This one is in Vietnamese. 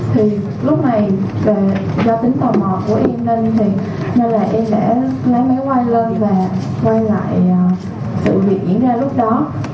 thì lúc này là do tính tò mò của em nên là em đã lái máy quay lên và quay lại sự việc diễn ra lúc đó